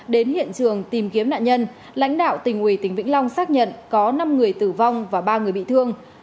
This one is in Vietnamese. đến hiện trường tìm kiếm nạn nhân lãnh đạo tỉnh ủy tỉnh vĩnh long xác nhận có năm người tử vong và ba người bị thương